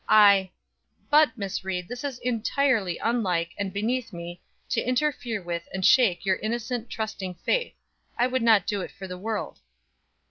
I but, Miss Ried, this is entirely unlike, and beneath me, to interfere with and shake your innocent, trusting faith. I would not do it for the world."